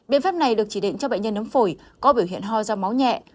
biện pháp này được chỉ định cho bệnh nhân nấm phổi có biểu hiện ho ra máu nhẹ